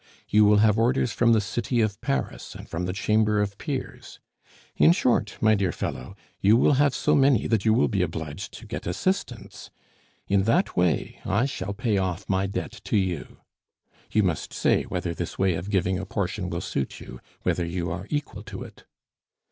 You will have orders from the City of Paris and from the Chamber of Peers; in short, my dear fellow, you will have so many that you will be obliged to get assistants. In that way I shall pay off my debt to you. You must say whether this way of giving a portion will suit you; whether you are equal to it."